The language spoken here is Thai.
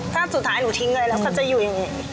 ถ้าสุดท้ายหนูทิ้งอะไรแล้วเขาจะอยู่อย่างนี้